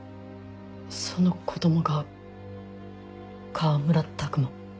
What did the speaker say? その子供が川村琢磨。